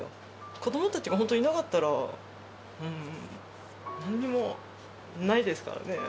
子どもたちが本当、いなかったら、なんにもないですからね。